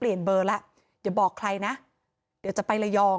มีเรื่องอะไรมาคุยกันรับได้ทุกอย่าง